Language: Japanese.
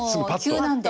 急なんで。